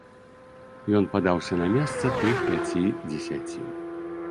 Ён падаўся на месца тых пяці дзесяцін.